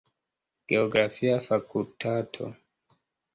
Geografia fakultato.